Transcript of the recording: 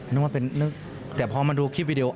นึกว่าเป็นนึกแต่พอมาดูคลิปวิดีโอ